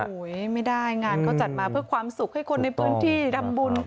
ไม่ได้งานเขาจัดมาเพื่อความสุขให้คนในพื้นที่ทำบุญ